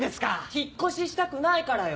引っ越ししたくないからよ。